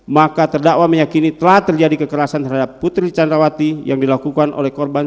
maka terdakwa meyakini telah terjadi kekerasan terhadap putri candrawati yang dilakukan oleh korban